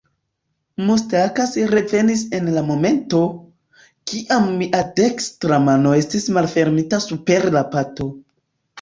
Mustakas revenis en la momento, kiam mia dekstra mano estis malfermita super la pato.